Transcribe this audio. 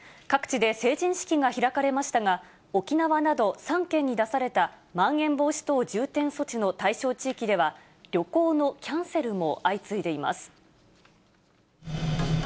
各地で成人式が開かれましたが、沖縄など、３県に出されたまん延防止等重点措置の対象地域では、旅行のキャンセルも相次いでいます。